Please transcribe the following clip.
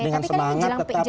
dengan semangat tetap